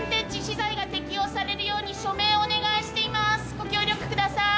ご協力ください！